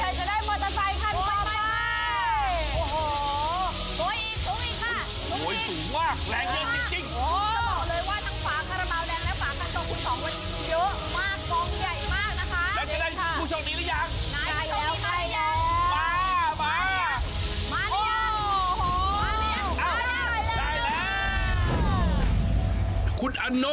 โอ๊ยเขาพร้อมจะโกยแล้ว